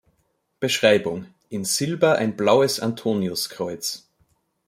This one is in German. Beschreibung: In Silber ein blaues Antoniuskreuz.